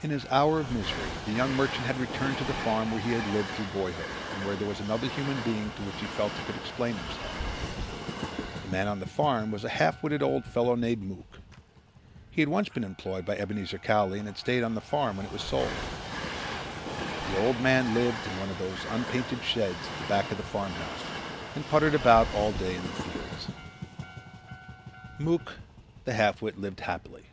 In his hour of misery the young merchant had returned to the farm where he had lived through boyhood and where there was another human being to whom he felt he could explain himself. The man on the farm was a half witted old fellow named Mook. He had once been employed by Ebenezer Cowley and had stayed on the farm when it was sold. The old man lived in one of the unpainted sheds back of the farmhouse and puttered about all day in the fields. Mook the half wit lived happily.